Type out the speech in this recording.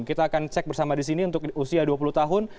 kita akan cek bersama di sini untuk usia dua puluh tahun